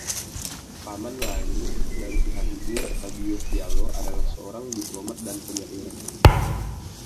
Paman lain dari pihak ibu, Fabio Fiallo, adalah seorang diplomat dan penyair.